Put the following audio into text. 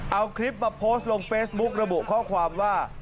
เอาคลิปมาโพสต์ลงเฟซบุ๊กระบุข้อความว่า